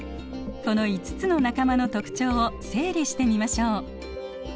この５つの仲間の特徴を整理してみましょう。